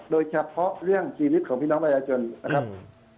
โดยเฉพาะเรื่องชีวิตของพี่น้องประชาชนนะครับ